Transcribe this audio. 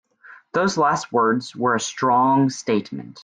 Those last words were a strong statement.